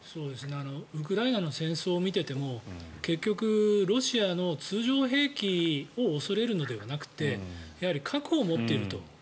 ウクライナの戦争を見ていても結局、ロシアの通常兵器を恐れるのではなくてやはり核を持っていると。